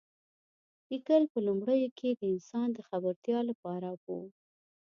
لیکل په لومړیو کې د انسان د خبرتیا لپاره و.